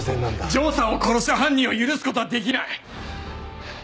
丈さんを殺した犯人を許すことはできない！